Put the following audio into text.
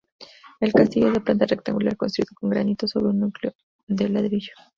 El castillo es de planta rectangular, construido con granito sobre un núcleo de ladrillo.